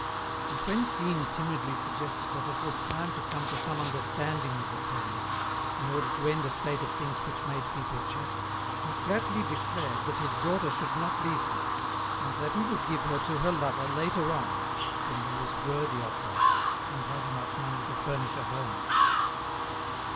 And when Fine timidly suggested that it was time to come to some understanding with the tanner, in order to end a state of things which made people chatter, he flatly declared that his daughter should not leave him, and that he would give her to her lover later on, "when he was worthy of her, and had enough money to furnish a home."